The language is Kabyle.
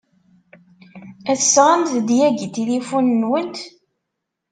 Tesɣamt-d yagi tinfulin-nwent?